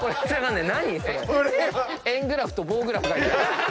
円グラフと棒グラフ。